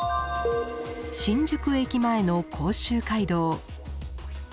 新宿駅前の甲州街道。